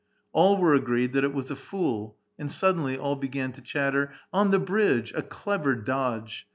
All were agreed that it was a fool (durdk) , and suddenly all began to chatter, "On the bridge, a clever dodge!